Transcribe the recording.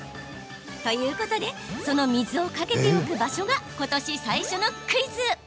ということでその水をかけておく場所がことし最初のクイズ。